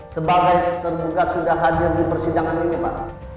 sebagai tergugat sudah hadir di persidangan ini pak